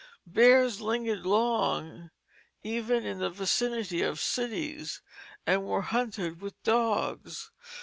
Bears lingered long even in the vicinity of cities and were hunted with dogs.